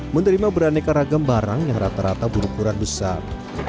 menerima beraneka ragam barang yang rata rata berukuran besar